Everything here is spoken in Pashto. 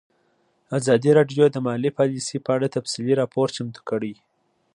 ازادي راډیو د مالي پالیسي په اړه تفصیلي راپور چمتو کړی.